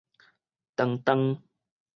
盪盪